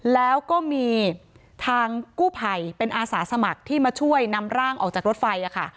แล้วก็มีทางกู้ภัยเป็นอาสาสมัครที่มาช่วยนำร่างออกจากรถไฟค่ะ